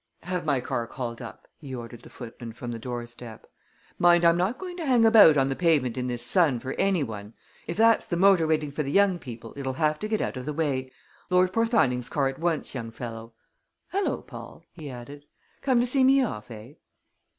"Have my car called up!" he ordered the footman from the doorstep. "Mind, I'm not going to hang about on the pavement in this sun for any one. If that's the motor waiting for the young people it'll have to get out of the way. Lord Porthoning's car at once, young fellow! Hello, Paul!" he added. "Come to see me off, eh?"